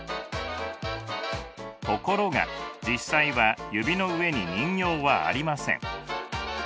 ところが実際は指の上に人形はありません。